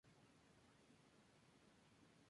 Así, se clasifica por primera vez para una copa europea.